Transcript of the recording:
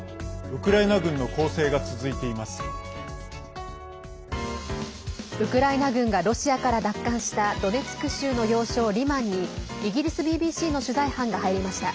ウクライナ軍がロシアから奪還したドネツク州の要衝リマンにイギリスＢＢＣの取材班が入りました。